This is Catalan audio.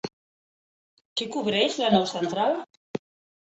Què cobreix la nau central?